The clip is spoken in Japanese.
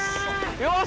よし！